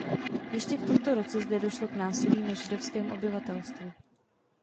Ještě v tomto roce zde došlo k násilí na židovském obyvatelstvu.